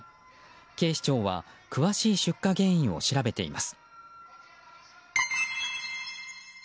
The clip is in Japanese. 警視庁は詳しい出火原因を調べています。